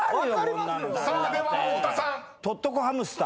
［さあでは太田さん］